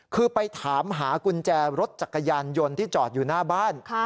คือไปถามหากุญแจรถจักรยานยนต์ที่จอดอยู่หน้าบ้าน